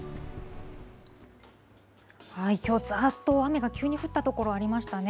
きょう、ざーっと雨が急に降った所ありましたね。